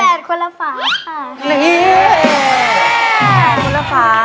เป็น๘คนละฟ้าค่ะ